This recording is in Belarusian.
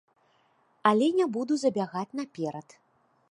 Але не буду забягаць наперад.